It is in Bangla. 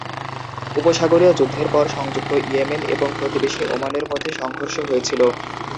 উপসাগরীয় যুদ্ধের পর সংযুক্ত ইয়েমেন এবং প্রতিবেশী ওমানের মধ্যে সংঘর্ষ হয়েছিল।